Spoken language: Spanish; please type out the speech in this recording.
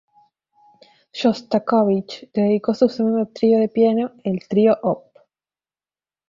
Shostakóvich dedicó su segundo trío de piano, el "Trío op.